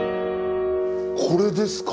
これですか？